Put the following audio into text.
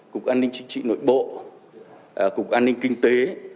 cục an ninh chính trị nội bộ cục an ninh kinh tế